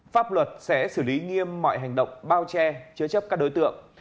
pháp luật sẽ xử lý nghiêm mọi hành động bao che chứa chấp các đối tượng